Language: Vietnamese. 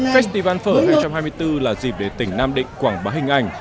festival phở hai nghìn hai mươi bốn là dịp để tỉnh nam định quảng bá hình ảnh